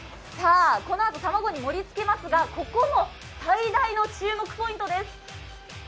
このあと卵に盛りつけますがここも最大の注目ポイントです。